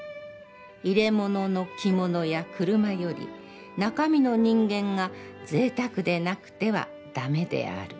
容れものの着物や車より、中身の人間が贅沢でなくては駄目である」。